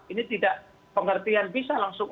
ini tidak pengertian bisa langsung